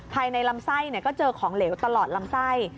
ภายในลำไส้ก็เจอของเหลวตลอดลำไส้